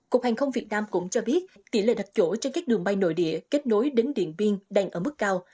cục hàng không việt nam cũng cho biết tỉ lệ đặc dỗ trên các đường bay nội địa kết nối đến điện biên đang ở mức cao